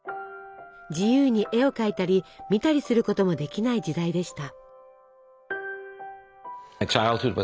自由に絵を描いたり見たりすることもできない時代でした。